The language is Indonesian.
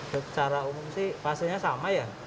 secara umum sih fasenya sama ya